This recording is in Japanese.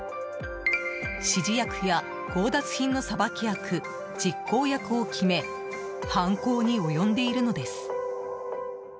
指示役や強奪品のさばき役実行役を決め犯行に及んでいるのです。